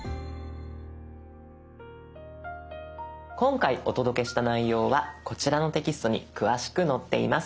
今回お届けした内容はこちらのテキストに詳しく載っています。